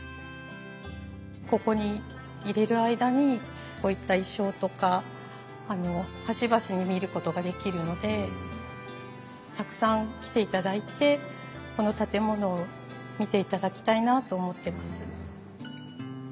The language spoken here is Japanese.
ここにいれる間にこういった意匠とか端々に見ることができるのでたくさん来ていただいてこの建物を見ていただきたいなと思ってます。